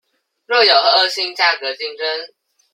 若有惡性價格競爭